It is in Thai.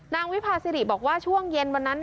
วิภาสิริบอกว่าช่วงเย็นวันนั้น